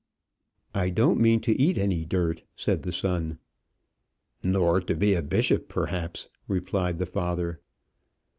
"I don't mean to eat any dirt," said the son. "Nor to be a bishop, perhaps," replied the father.